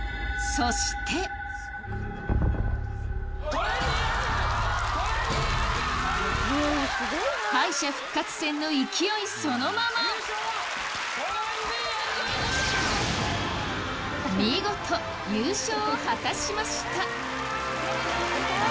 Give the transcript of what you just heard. そして敗者復活戦の勢いそのまま見事優勝を果たしました。